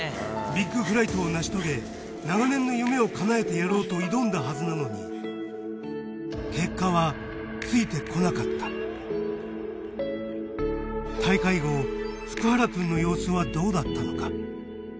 ビッグフライトを成し遂げ長年の夢を叶えてやろうと挑んだはずなのに大会後福原くんの様子はどうだったのか？